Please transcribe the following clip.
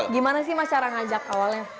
gimana sih mas cara ngajak awalnya